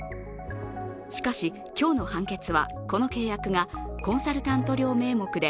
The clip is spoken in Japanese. しかし、今日の判決はこの契約がコンサルタント料名目で